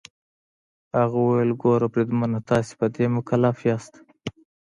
هغه وویل: ګوره بریدمنه، تاسي په دې مکلف یاست.